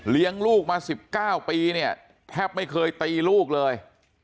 ลูกมา๑๙ปีเนี่ยแทบไม่เคยตีลูกเลย